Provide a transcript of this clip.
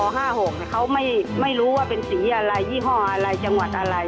เขาไม่รู้ว่าเป็นสีอะไรยี่ห้ออะไรจังหวัดอะไร